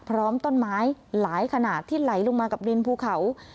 พร้อมต้นไม้หลายขนาดที่ไหลลงมากับดินภูเขา